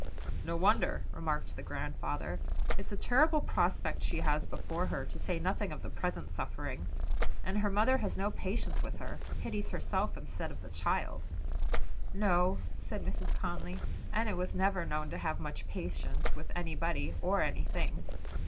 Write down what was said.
"No wonder," remarked the grandfather; "it's a terrible prospect she has before her, to say nothing of the present suffering. And her mother has no patience with her; pities herself instead of the child." "No," said Mrs. Conly, "Enna was never known to have much patience with anybody or anything."